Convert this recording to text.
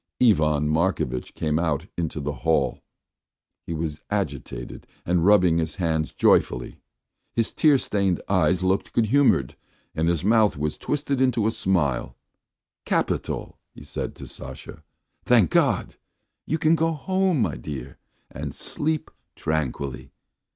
... Ivan Markovitch came out into the hall. ... He was agitated and rubbing his hands joyfully. His tear stained eyes looked good humoured and his mouth was twisted into a smile. "Capital," he said to Sasha. "Thank God! You can go home, my dear, and sleep tranquilly.